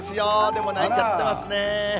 でも泣いちゃってますね。